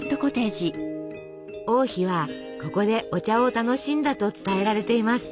王妃はここでお茶を楽しんだと伝えられています。